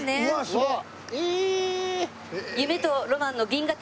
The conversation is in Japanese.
すごい。